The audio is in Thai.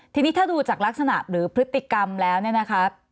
ทีนี้ถ้าดูจากลักษณะหรือพฤติกรรมแล้วเนี่ยนะคะ